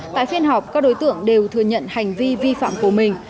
tại phiên họp các đối tượng đều thừa nhận hành vi vi phạm của mình